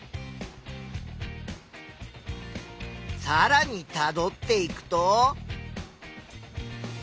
さらにたどっていくと？